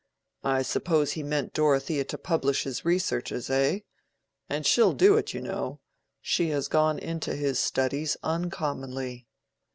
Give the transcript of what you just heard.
I suppose he meant Dorothea to publish his researches, eh? and she'll do it, you know; she has gone into his studies uncommonly."